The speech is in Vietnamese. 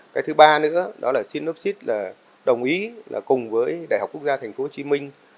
cái thứ ba nữa đó là synopsis đồng ý cùng với đại học quốc gia tp hcm